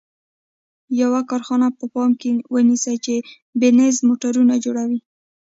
یوه کارخانه په پام کې ونیسئ چې بینز موټرونه جوړوي.